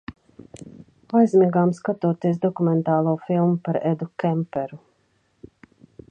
Aizmigām, skatoties dokumentālo filmu par Edu Kemperu.